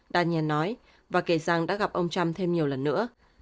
daniel nói và kể rằng đã gặp ông trump thêm nhiều lần nữa